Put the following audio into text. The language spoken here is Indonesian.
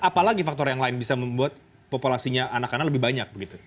apalagi faktor yang lain bisa membuat populasinya anak anak lebih banyak begitu